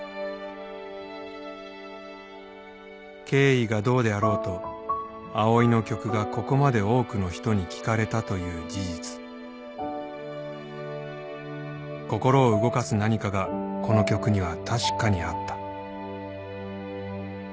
「経緯がどうであろうとＡＯＩの曲がここまで多くの人に聴かれたという事実」「心を動かす何かがこの曲には確かにあった」